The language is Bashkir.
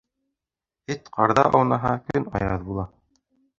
Эт ҡарҙа аунаһа, көн аяҙ була.